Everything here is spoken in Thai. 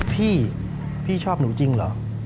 พี่พี่ชอบหนูจริงเหรอ